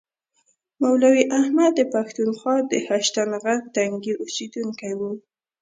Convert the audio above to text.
مولوي احمد د پښتونخوا د هشتنغر تنګي اوسیدونکی و.